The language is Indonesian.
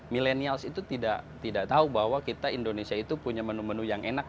milenial itu tidak tahu bahwa kita indonesia itu punya menu menu yang enak